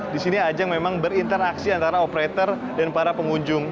di sini ajang memang berinteraksi antara operator dan para pengunjung